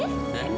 enak banget nih